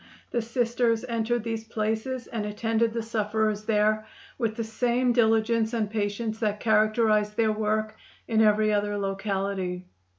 The Sisters entered these places and attended the sufferers there with the same diligence and patience that characterized their work in every other locality.